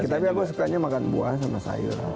tapi aku sukanya makan buah sama sayur